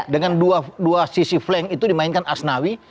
dengan dua sisi flank itu dimainkan asnawi